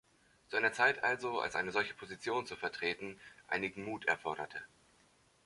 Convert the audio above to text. Zu einer Zeit also, als eine solche Position zu vertreten einigen Mut erforderte.